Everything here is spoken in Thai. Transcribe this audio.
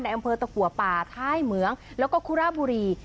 อำเภอตะกัวป่าท้ายเหมืองแล้วก็คุระบุรี